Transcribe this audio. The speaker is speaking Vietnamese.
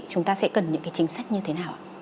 chúng ta sẽ cần những cái chính sách như thế nào ạ